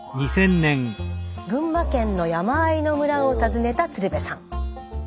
群馬県の山あいの村を訪ねた鶴瓶さん。